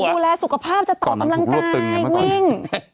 บูแลสุขภาพจะต่อตำรังตายนิ่ง